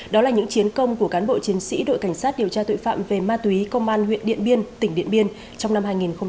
đó là những chiến công của cán bộ chiến sĩ đội cảnh sát điều tra tội phạm về ma túy công an huyện điện biên tỉnh điện biên trong năm hai nghìn hai mươi ba